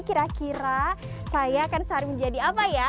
kira kira saya akan sehari menjadi apa ya